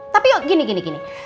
tapi yuk gini gini gini